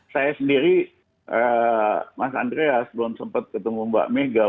saya sendiri mas andreas belum sempet ketemu mbak megah